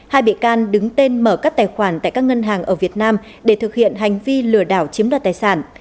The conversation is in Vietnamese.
hai bị can đứng tên mở các tài khoản tại các ngân hàng ở việt nam để thực hiện hành vi lừa đảo chiếm đoạt tài sản